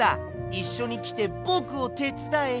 いっしょにきてぼくをてつだえ！